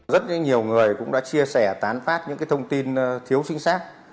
rất nhiều người cũng đã chia sẻ tán phát những thông tin thiếu chính xác